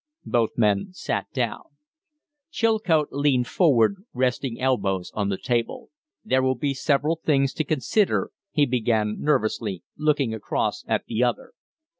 Both men sat down. Chilcote leaned forward, resting elbows on the table. "There will be several things to consider " he began, nervously, looking across at the other.